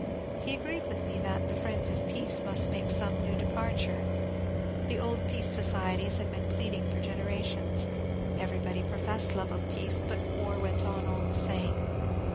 He agreed with me that the friends of peace must make some " new departure." The old peace societies had been pleading for generations ; everybody professed love of peace, but war went on all the same.